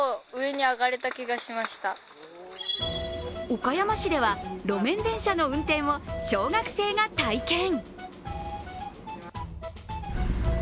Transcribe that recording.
岡山市では、路面電車の運転を小学生が体験。